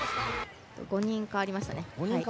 ５人代わりましたね。